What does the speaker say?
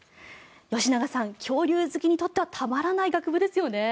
吉永さん、恐竜好きにとってはたまらない学部ですよね。